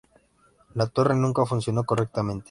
La torre nunca funcionó correctamente.